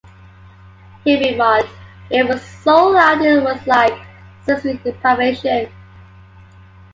He remarked: it was so loud it was like sensory deprivation.